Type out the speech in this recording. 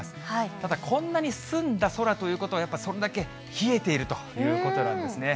ただ、こんなに澄んだ空ということは、やっぱりそんだけ冷えているということなんですね。